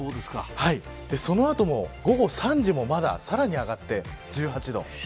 その後も午後３時もまださらに上がって１８度。